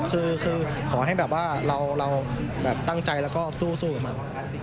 คือขอให้แบบว่าเราตั้งใจแล้วก็สู้กับมัน